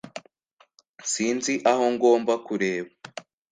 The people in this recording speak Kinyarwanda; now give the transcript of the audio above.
Sinzi aho ngomba kureba